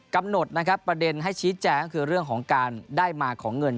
กำหนดนะครับประเด็นให้ชี้แจงก็คือเรื่องของการได้มาของเงิน